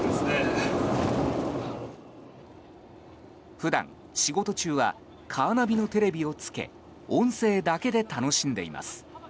普段、仕事中はカーナビのテレビをつけ音声だけで楽しんでいます。